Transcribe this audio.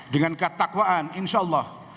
dengan ketakwaan insyaallah